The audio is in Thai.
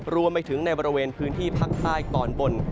รวมไปถึงในบริเวณพื้นที่ภาคใต้ตอนบน